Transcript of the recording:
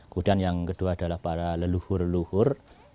kemudian yang kedua adalah para leluhur leluhur